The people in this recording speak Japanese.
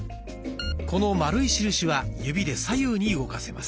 この丸い印は指で左右に動かせます。